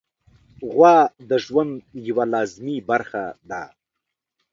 غوا د ژوند یوه لازمي برخه ده.